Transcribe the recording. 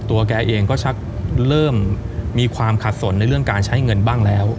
แกเองก็ชักเริ่มมีความขัดสนในเรื่องการใช้เงินบ้างแล้ว